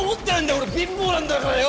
俺貧乏なんだからよ。